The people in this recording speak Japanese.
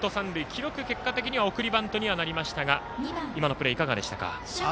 記録、結果的には送りバントにはなりましたが今のプレーいかがでしたか？